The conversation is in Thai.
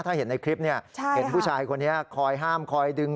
ถ้าเห็นในคลิปเนี่ยเห็นผู้ชายคนนี้คอยห้ามคอยดึง